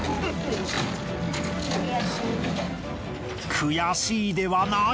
悔しいではない！